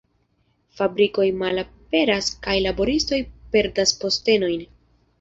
Fabrikoj malaperas kaj laboristoj perdas postenojn.